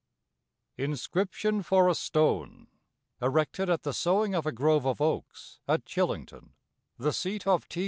INSCRIPTION FOR A STONE ERECTED AT THE SOWING OF A GROVE OF OAKS AT CHILLINGTON, THE SEAT OF T.